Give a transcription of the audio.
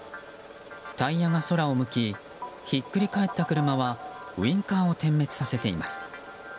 タイヤが空を向きひっくり返った車はウインカーを点滅させています。